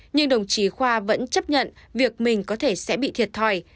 nhưng đồng chí khoa vẫn chấp nhận việc mình có thể sẽ bị thiệt thòi